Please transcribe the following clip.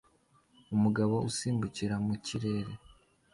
Umugabo usimbukira mu kirere